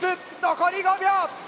残り５秒！